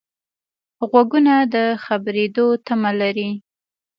غوږونه د خبرېدو تمه لري